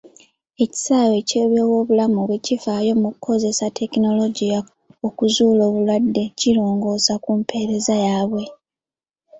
Ekisaawe ky'ebyobulamu bwe kifaayo mu kukozesa tekinologiya okuzuula obulwadde kirongoosa ku mpeereza yaabwe.